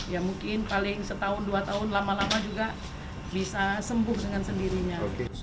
ya mungkin paling setahun dua tahun lama lama juga bisa sembuh dengan sendirinya